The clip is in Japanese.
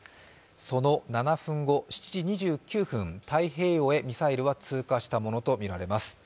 その７分後、７時２９分、太平洋へミサイルは通過したものとみられます。